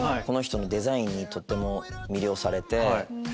この人のデザインにとっても魅了されて。